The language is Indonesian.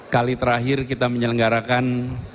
kali terakhir kita menyelenggarakan